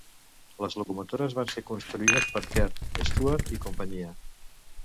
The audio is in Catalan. Les locomotores van ser construïdes per Kerr, Stuart i companyia.